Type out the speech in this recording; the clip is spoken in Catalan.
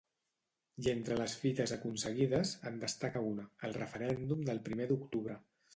I entre les fites aconseguides, en destaca una, el referèndum del primer d’octubre.